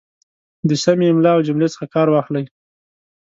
د سمې املا او جملې څخه کار واخلئ